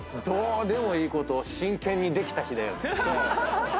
どうでもいいことを真剣にできた日だよね。